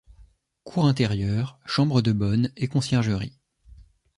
Cour intérieure, chambres de bonnes et conciergerie.